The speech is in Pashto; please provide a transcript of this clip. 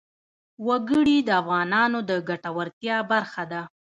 وګړي د افغانانو د ګټورتیا برخه ده.